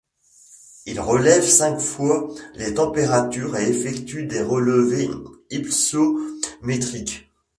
Il relève cinq fois les températures et effectue des relevés hypsométriques.